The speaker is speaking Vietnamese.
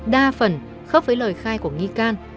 đa phần khớp với lời khai của nghi can